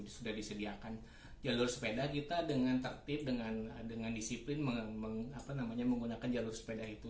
sudah disediakan jalur sepeda kita dengan tertib dengan disiplin menggunakan jalur sepeda itu